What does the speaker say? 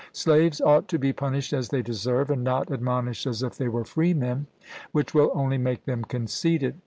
Slaves ought to be punished as they deserve, and not admonished as if they were freemen, which will only make them conceited.